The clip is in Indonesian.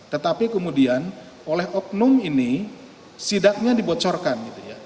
tetapi kemudian oleh oknum ini sidaknya dibocorkan